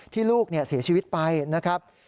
ลูกเสียชีวิตไปนะครับ